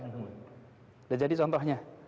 sudah jadi contohnya